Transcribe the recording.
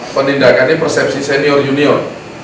penindakannya persepsi senior junior